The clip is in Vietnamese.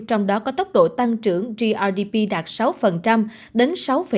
trong đó có tốc độ tăng trưởng grdp đạt sáu đến sáu bảy